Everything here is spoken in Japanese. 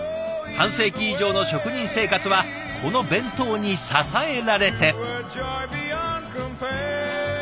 半世紀以上の職人生活はこの弁当に支えられて。